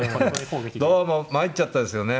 どうも参っちゃったですよね。